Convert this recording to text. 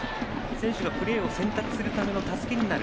選手がプレーを選択するための助けになる。